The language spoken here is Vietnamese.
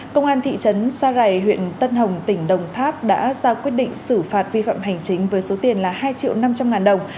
công an thị trấn sa rài huyện tân hồng tỉnh đồng tháp đã ra quyết định xử phạt vi phạm hành chính với số tiền hai năm trăm linh đồng